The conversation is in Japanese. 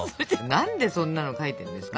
何でそんなの描いてるんですか？